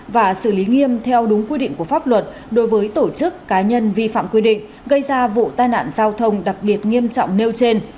và xử lý nghiêm theo đúng quy định của pháp luật đối với tổ chức cá nhân vi phạm quy định gây ra vụ tai nạn giao thông đặc biệt nghiêm trọng nêu trên